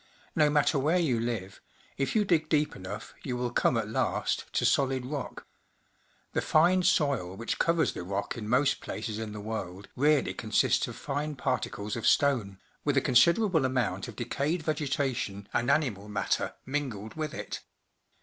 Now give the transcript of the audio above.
No matter where you live, if you dig deep enough, you will come at last to solid rock. The fine soil which covers the rock in most places in the world really consists of fine particles of stone, with a considerable amount of decayed vegetation and animal matter mingled with it.